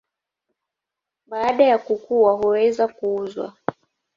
Baada ya kukua huweza kuuzwa.